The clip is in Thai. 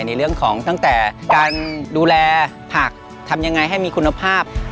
ในเรื่องของตั้งแต่การดูแลผักทำยังไงให้มีคุณภาพ